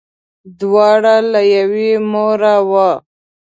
دواړه له یوې موره وه.